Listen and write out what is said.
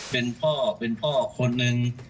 เป็นพ่อเป็นพ่อคนหนึ่ง